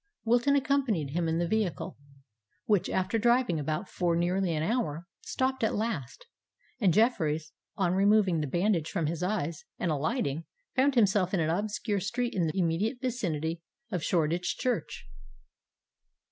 Wilton accompanied him in the vehicle, which, after driving about for nearly an hour, stopped at last; and Jeffreys, on removing the bandage from his eyes, and alighting, found himself in an obscure street in the immediate vicinity of Shoreditch Church.